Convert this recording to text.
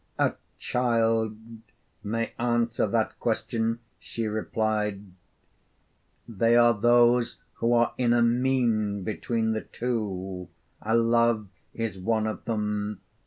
'A child may answer that question,' she replied; 'they are those who are in a mean between the two; Love is one of them.